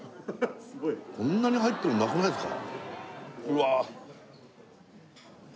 すごいこんなに入ってるのなくないですか？